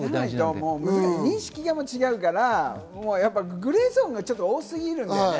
認識が違うから、グレーゾーンがちょっと多すぎるんだよね。